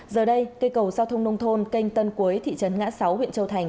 giờ đây cây cầu giao thông nông thôn kênh tân quế thị trấn ngã sáu huyện châu thành